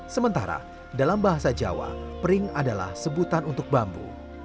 sementara dalam bahasa jawa pring adalah sebutan untuk bambu